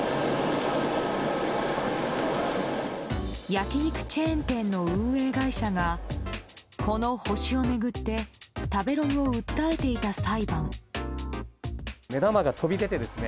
焼き肉チェーン店の運営会社がこの星を巡って食べログを訴えていた裁判。